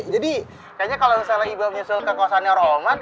jadi kayaknya kalau ibob nyusul ke kawasannya roman